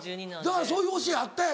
だからそういう教えあったやろ。